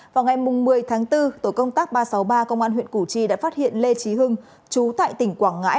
vào ngày một mươi tháng bốn tổ công tác ba trăm sáu mươi ba công an huyện củ chi đã phát hiện lê trí hưng chú tại tỉnh quảng ngãi